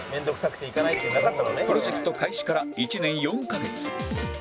プロジェクト開始から１年４カ月